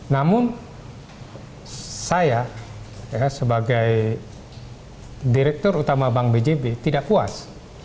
namun saya sebagai direktur utama bank bjb tidak puas